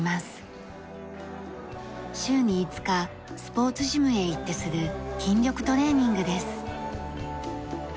週に５日スポーツジムへ行ってする筋力トレーニングです。